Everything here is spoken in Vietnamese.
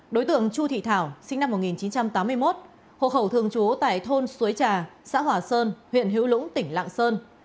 đối tượng chu thị thảo sinh năm một nghìn chín trăm tám mươi một hộ khẩu thường trú tại thôn suối trà xã hòa sơn huyện hữu lũng tỉnh lạng sơn